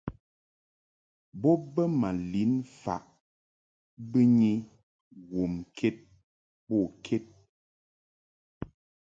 Bo bə ma lin faʼ bɨnyi womked bo ked.